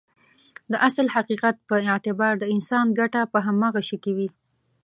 د اصل حقيقت په اعتبار د انسان ګټه په هماغه شي کې وي.